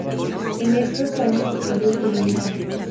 En esos años estudió periodismo.